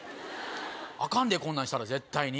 アカンでこんなんしたら絶対に。